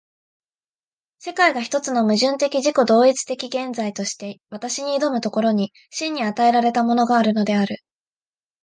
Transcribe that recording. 世界が一つの矛盾的自己同一的現在として私に臨む所に、真に与えられたものがあるのである。